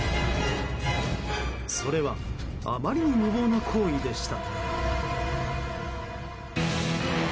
それはあまりに無謀な行為でした。